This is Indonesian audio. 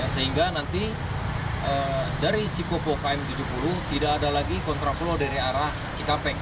sehingga nanti dari cikopo km tujuh puluh tidak ada lagi kontraflow dari arah cikampek